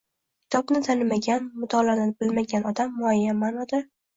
Kitobni tanimagan, mutolaani bilmagan odam, muayyan ma’noda